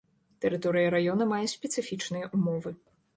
Тэрыторыя раёна мае спецыфічныя ўмовы.